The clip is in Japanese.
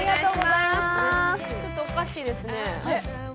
ちょっとおかしいですね。